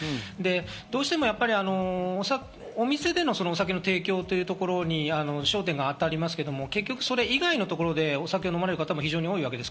どうしてもお店でのお酒の提供というところに焦点が当たりますけど、結局それ以外のところでお酒を飲まれる方も多いわけです。